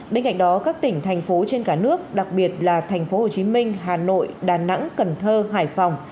bên cạnh đó các tỉnh thành phố trên cả nước đặc biệt là thành phố hồ chí minh hà nội đà nẵng cần thơ hải phòng